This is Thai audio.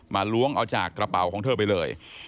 ล้วงเอาจากกระเป๋าของเธอไปเลย